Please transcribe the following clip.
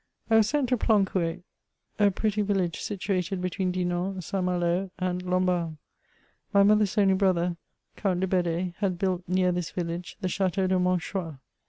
I was sent to Plancouet, a pretty Tillage situated between Dinan, St. Malo, and Lambidle. My mother's only brother^ Count de Bedfe, had built near this village the ChlUeau de Monchoix.